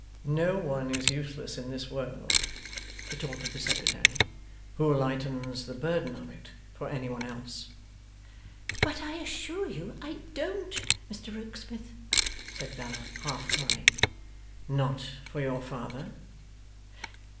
'No one is useless in this world,' retorted the Secretary, 'who lightens the burden of it for any one else.' 'But I assure you I DON'T, Mr Rokesmith,' said Bella, half crying. 'Not for your father?